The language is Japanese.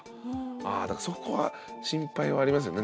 ああだからそこは心配はありますよね。